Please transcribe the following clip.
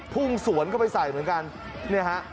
พุ่งสวนเข้าไปใส่เหมือนกันเนี่ยฮะ